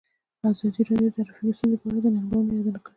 ازادي راډیو د ټرافیکي ستونزې په اړه د ننګونو یادونه کړې.